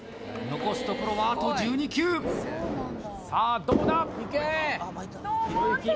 残すところはあと１２球さあどうだひろゆき